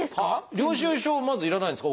領収書まず要らないんですか？